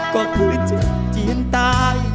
ก็คือเจ็บเจียนตาย